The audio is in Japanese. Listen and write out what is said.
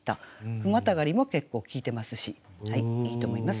句またがりも結構効いてますしいいと思います。